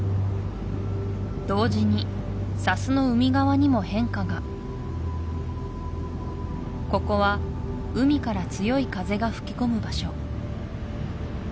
同時に砂州の海側にも変化がここは海から強い風が吹き込む場所